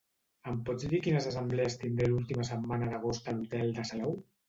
Em pots dir quines assemblees tindré l'última setmana d'agost a l'hotel de Salou?